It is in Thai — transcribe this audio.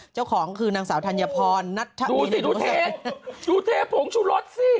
เจ้าของคือนางสาวธัญพรดูสิดูเทปดูเทปผงชุดรสสิ